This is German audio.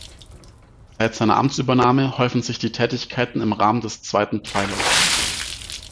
Seit seiner Amtsübernahme häufen sich die Tätigkeiten im Rahmen des zweiten Pfeilers.